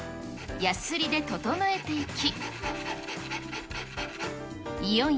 やすりで整えていき。